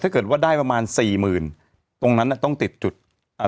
ถ้าเกิดว่าได้ประมาณสี่หมื่นตรงนั้นน่ะต้องติดจุดอ่า